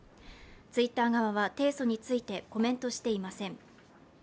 Ｔｗｉｔｔｅｒ側は提訴についてコメントしていません。